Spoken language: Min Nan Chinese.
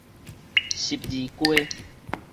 十字街